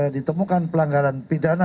ditemukan pelanggaran pidana